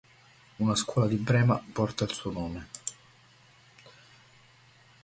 Una scuola di Brema porta il suo nome.